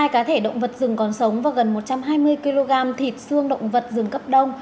hai cá thể động vật rừng còn sống và gần một trăm hai mươi kg thịt xương động vật rừng cấp đông